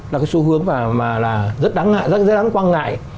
là cái xu hướng mà rất đáng quan ngại